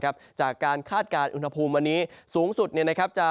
ครับจากการคาดการอุทธภูมิวันนี้สูงสุดเนี้ยนะครับจะ